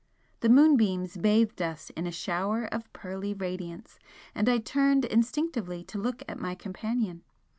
The moonbeams bathed us in a shower of pearly radiance, and I turned instinctively to look at my companion.